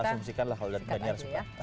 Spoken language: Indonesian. kita asumsikan lah kalau dapet